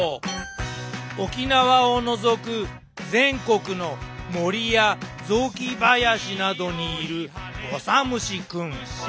沖縄を除く全国の森や雑木林などにいるオサムシくん。